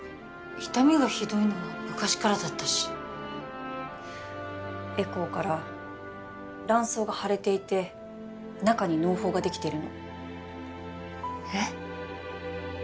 痛みがひどいのは昔からだったしエコーから卵巣が腫れていて中に嚢胞ができてるのえっ？